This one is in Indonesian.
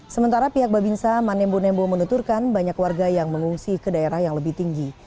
sementara pihak babinsa manembo nembo menuturkan banyak warga yang mengungsi ke daerah yang lebih tinggi